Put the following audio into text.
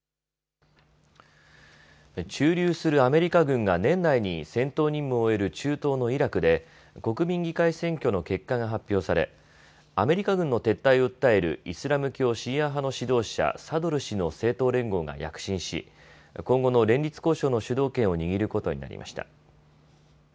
駐留するアメリカ軍が年内に戦闘任務を終える中東のイラクで国民議会選挙の結果が発表されアメリカ軍の撤退を訴えるイスラム教シーア派の指導者、サドル師の政党連合が躍進し、今後の連立交渉の主導権を握ることになりました。